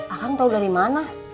akang tau udah dimana